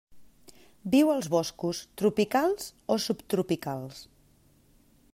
Viu als boscos tropicals o subtropicals.